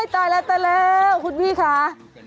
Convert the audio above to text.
ตายแล้วตายแล้วคุณพี่คะ